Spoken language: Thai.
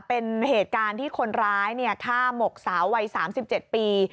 เป็นเหตุการณ์ที่คนร้ายฆ่าหมกสาววัย๓๗ปี